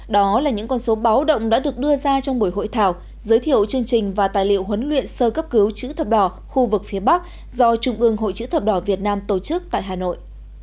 đó là những con số báo động đã được đưa ra trong buổi hội thảo giới thiệu chương trình và tài liệu huấn luyện sơ cấp cứu chữ thập đỏ khu vực phía bắc do trung ương hội chữ thập đỏ việt nam tổ chức tại hà nội